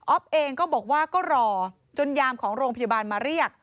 เองก็บอกว่าก็รอจนยามของโรงพยาบาลมาเรียก